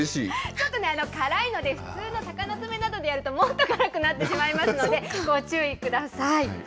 ちょっとね、辛いので、普通の鷹の爪などでやると、もっと辛くなってしまいますので、ご注意ください。